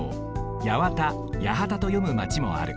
八幡八幡とよむマチもある。